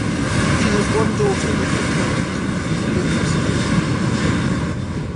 She has one daughter with her current husband William Messinger.